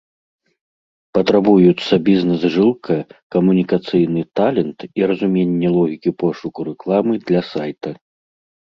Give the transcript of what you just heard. Патрабуюцца бізнэс-жылка, камунікацыйны талент і разуменне логікі пошуку рэкламы для сайта.